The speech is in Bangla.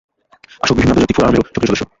আসক বিভিন্ন আন্তর্জাতিক ফোরামেরও সক্রিয় সদস্য।